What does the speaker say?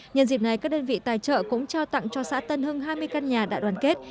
nhân dịp này các đơn vị tài trợ cũng trao tặng cho xã tân hưng hai mươi căn nhà đại đoàn kết